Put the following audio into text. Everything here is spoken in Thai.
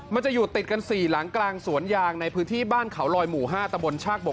มันจะอยู่ติดกัน๔หลังกลางสวนยางในพื้นที่บ้านเขาลอยหมู่๕ตะบนชากบก